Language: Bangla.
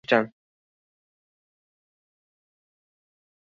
এ বছরেই তিনি নাজি পার্টিতে যোগদান করেন।